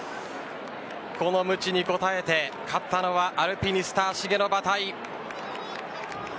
このむちに応えて勝ったのはアルピニスタ、芦毛の馬体。